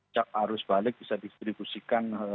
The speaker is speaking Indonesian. cak arus balik bisa distribusikan